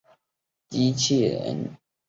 二丁目在洗足池站东侧。